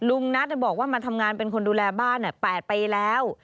ลุงนัทบอกว่ามาทำงานเป็นคนดูแลบ้าน๘ปีแล้ว